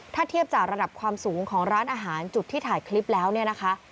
ถ้าเทียบจากระดับความสูงของร้านอาหารจุดที่ถ่ายคลิปแล้วเนี่ยนะคะ